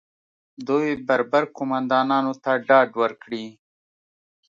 دوی بربر قومندانانو ته ډاډ ورکړي